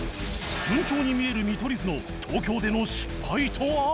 順調に見える見取り図の東京での失敗とは？